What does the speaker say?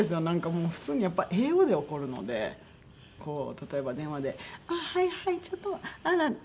なんかもう普通にやっぱ英語で怒るのでこう例えば電話で「はいはいちょっとあら」